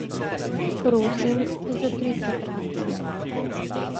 Prosim, zaprite vrata.